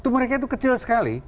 mereka itu kecil sekali